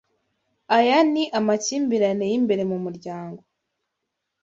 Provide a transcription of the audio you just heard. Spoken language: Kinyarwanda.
Aya ni amakimbirane yimbere, mumuryango